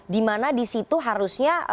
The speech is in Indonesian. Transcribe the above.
di mana di situ harusnya